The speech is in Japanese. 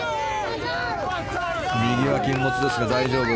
右は禁物ですが、大丈夫。